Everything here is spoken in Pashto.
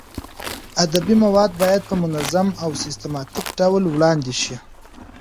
ادبي مواد باید په منظم او سیستماتیک ډول وړاندې شي.